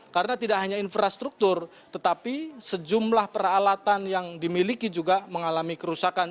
karena tidak hanya infrastruktur tetapi sejumlah peralatan yang dimiliki juga mengalami kerusakan